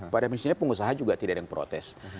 pada prinsipnya pengusaha juga tidak ada yang protes